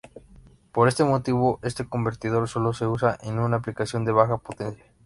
Por este motivo, este convertidor sólo se usa en aplicaciones de baja potencia.